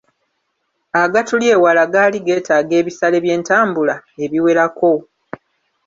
Agatuli ewala gaali geetaaga ebisale by’entambula ebiwerako.